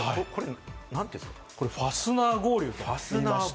ファスナー合流？